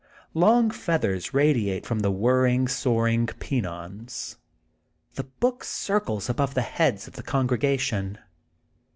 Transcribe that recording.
Long feathers radiate from the whirring, soaring pennons. The book circles above the heads of the congregation.